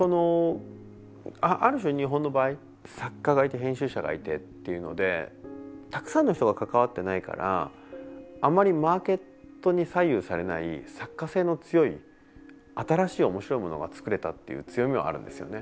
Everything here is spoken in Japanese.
ある種、日本の場合、作家がいて編集者がいてっていうのでたくさんの人が関わってないからあまりマーケットに左右されない作家性の強い新しいおもしろいものが作れたっていう強みはあるんですよね。